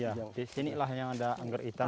ya di sinilah yang ada anggrek hitam